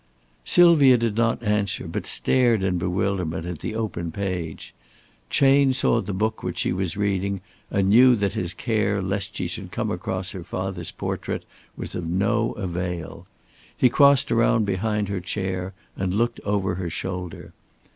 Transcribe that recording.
Sylvia did not answer, but stared in bewilderment at the open page. Chayne saw the book which she was reading and knew that his care lest she should come across her father's portrait was of no avail. He crossed round behind her chair and looked over her shoulder.